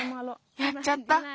やっちゃった。